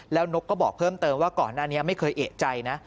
แล้วนกก็บอกเพิ่มเติมว่าก่อนหน้านี้ไม่เคยเอกใจนะ